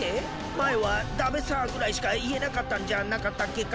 前は「だべさ」ぐらいしか言えなかったんじゃなかったっけか？